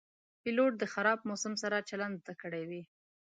پیلوټ د خراب موسم سره چلند زده کړی وي.